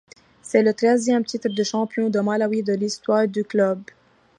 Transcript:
C'est le treizième titre de champion du Malawi de l'histoire du club.